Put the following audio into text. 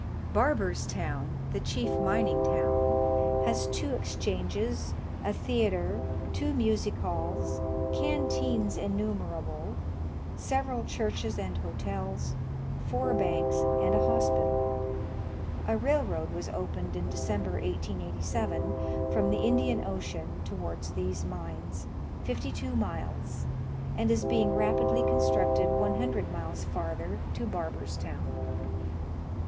Bai'berstown, the chief mining town, has two ex changes, a theatre, two music halls, canteens innumerable, several churches and hotels, four banks, and a hospital. A railroad was opened in December, 1887, from the Indian Ocean towards these mines, 52 miles, and is being rapidly constructed 100 miles farther to Barberstown.